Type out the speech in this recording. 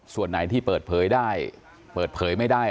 ส่วนไหนที่เปิดเผยได้เปิดเผยไม่ได้